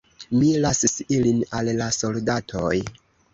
Mi lasis ilin al la soldatoj.